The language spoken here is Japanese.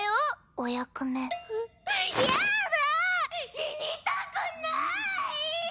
死にたくない！